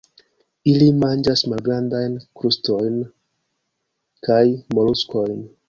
Ili manĝas malgrandajn krustulojn kaj moluskojn.